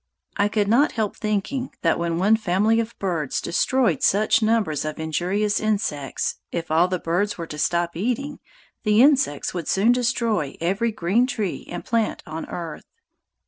I could not help thinking that when one family of birds destroyed such numbers of injurious insects, if all the birds were to stop eating, the insects would soon destroy every green tree and plant on earth.